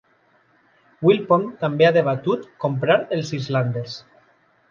Wilpon també ha debatut comprar els Islanders.